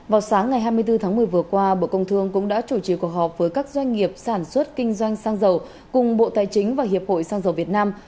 vào sáng ngày hai mươi bốn tháng một mươi vừa qua bộ công thương cũng đã chủ trì cuộc họp với các doanh nghiệp sản xuất kinh doanh xăng dầu cùng bộ tài chính và hiệp hội xăng dầu việt nam